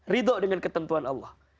ridho dengan ketentuan allah